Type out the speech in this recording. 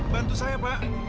bantu saya pak